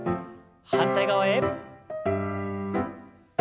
反対側へ。